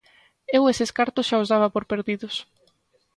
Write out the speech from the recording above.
Eu eses cartos xa os daba por perdidos.